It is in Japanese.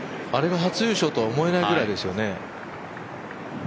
あれが初優勝とは思えないぐらいですよね。